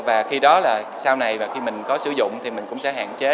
và khi đó là sau này và khi mình có sử dụng thì mình cũng sẽ hạn chế